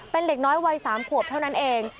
เป็นเด็กน้อยวัย๓ขวบเท่านั้นเอง